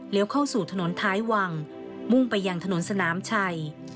เข้าสู่ถนนท้ายวังมุ่งไปยังถนนสนามชัย